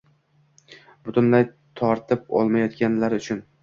butunlay tortib olmayotganlari uchun